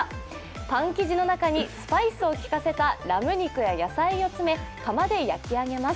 パン生地の中にスパイスを効かせたラム肉や野菜を詰め窯で焼き上げます。